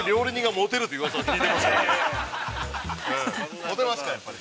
モテますか、やっぱり。